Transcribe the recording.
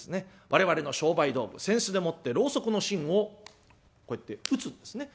我々の商売道具扇子でもってろうそくの芯をこうやって打つんですね。